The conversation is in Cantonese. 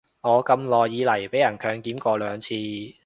我咁耐以來被人強檢過兩次